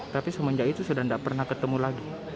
tapi semenjak itu sudah tidak pernah ketemu lagi